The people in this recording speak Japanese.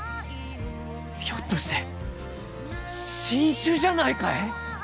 ひょっとして新種じゃないかえ